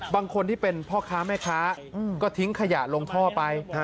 บางคนที่เป็นพ่อค้าแม่ค้าก็ทิ้งขยะลงท่อไป